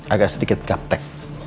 agak sedikit gap tech